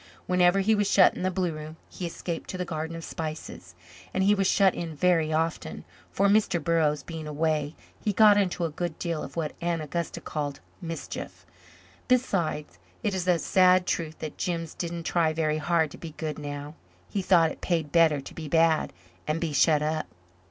Whenever he was shut in the blue room he escaped to the Garden of Spices and he was shut in very often, for, Mr. Burroughs being away, he got into a good deal of what Aunt Augusta called mischief. Besides, it is a sad truth that Jims didn't try very hard to be good now. He thought it paid better to be bad and be shut up.